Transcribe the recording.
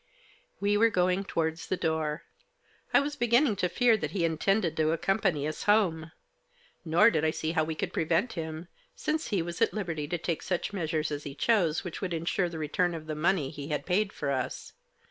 We were going towards the door. I was beginning to fear that he intended to accompany us home. Nor did I see how we could prevent him, since he was at liberty to take such measures as he chose which would ensure the return of the money he had paid for us.